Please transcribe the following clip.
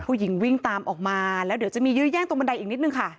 วิ่งตามออกมาแล้วเดี๋ยวจะมียื้อแย่งตรงบันไดอีกนิดนึงค่ะ